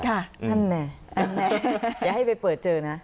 อันนี้อันนี้เดี๋ยวให้ไปเปิดเจอนะ